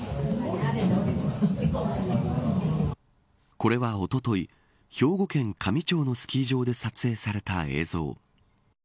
これは、おととい兵庫県香美町のスキー場で撮影された映像。